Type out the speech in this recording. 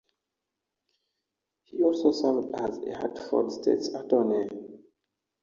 He also served as Hartford State's Attorney.